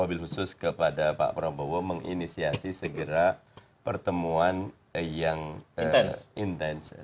mobil khusus kepada pak prabowo menginisiasi segera pertemuan yang intens